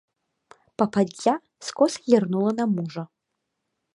Пападдзя скоса зірнула на мужа.